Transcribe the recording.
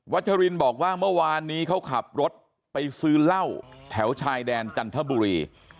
ชรินบอกว่าเมื่อวานนี้เขาขับรถไปซื้อเหล้าแถวชายแดนจันทบุรี